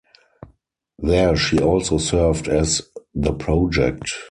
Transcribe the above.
There she also served as the project.